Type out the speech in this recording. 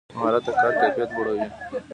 مهارت د کار کیفیت لوړوي